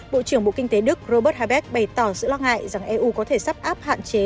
bộ trưởng bộ kinh tế đức robert habet bày tỏ sự lo ngại rằng eu có thể sắp áp hạn chế